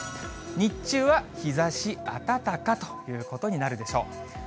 日中は日ざし暖かということになるでしょう。